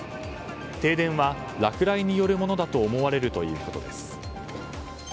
停電は落雷によるものだと思われるということです。